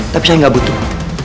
tapi saya gak butuh